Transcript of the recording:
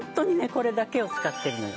これだけを使ってるのよ。